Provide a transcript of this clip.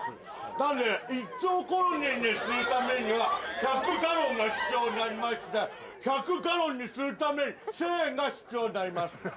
なんで、１兆コロニーにするためには１００ガロンが必要になりまして１００ガロンにするために１０００円が必要になります。